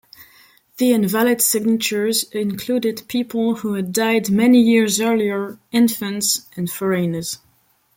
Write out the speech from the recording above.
The invalid signatures included people who had died many years earlier, infants, and foreigners.